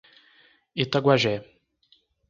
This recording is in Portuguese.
Itaguajé